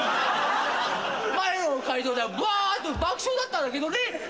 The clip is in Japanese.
前の会場じゃばーって爆笑だったんだけどね。